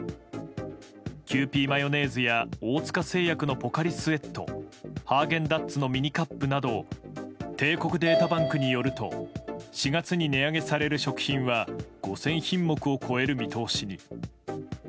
キユーピーマヨネーズや大塚製薬のポカリスエットハーゲンダッツのミニカップなど帝国データバンクによると４月に値上げされる食品は５０００品目を超える見通しに。